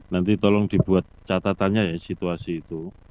nanti tolong dibuat catatannya ya situasi itu